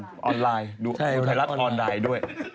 ไทรรัสออนไลน์ด้วย